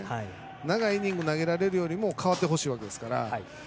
長いイニング投げられるように変わってほしいわけですからね。